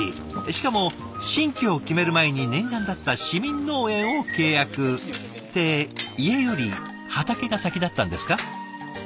しかも新居を決める前に念願だった市民農園を契約って家より畑が先だったんですか？